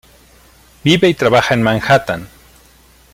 Vive y trabaja en Manhattan.